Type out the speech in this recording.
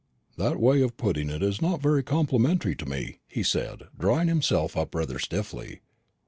"That way of putting it is not very complimentary to me," he said, drawing himself up rather stiffly.